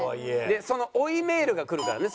でその追いメールが来るからね